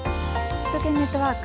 首都圏ネットワーク。